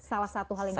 salah satu hal yang bisa